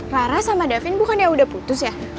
rara sama davin bukan yang udah putus ya